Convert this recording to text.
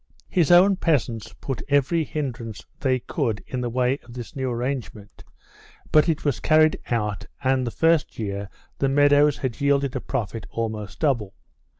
His own peasants put every hindrance they could in the way of this new arrangement, but it was carried out, and the first year the meadows had yielded a profit almost double.